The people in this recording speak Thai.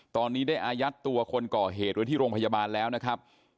ตอนนี้ได้อายัดตัวคนก่อเหตุไว้ที่โรงพยาบาลแล้วนะครับ